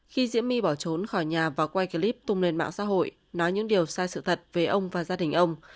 khi diễm my bỏ trốn khỏi nhà và quay clip tung lên mạng xã hội nói những điều sai sự thật về ông và gia đình ông